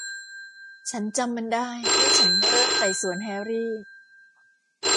ฉันจำมันได้เมื่อฉันเริ่มไต่สวนแฮร์รี่